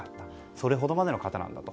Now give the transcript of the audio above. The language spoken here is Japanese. それほどまでの方なんだと。